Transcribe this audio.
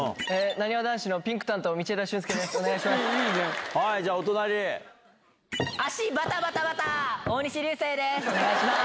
なにわ男子のピンク担当、道枝駿佑です。